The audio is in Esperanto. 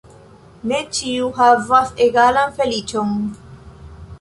Ne ĉiu havas egalan feliĉon.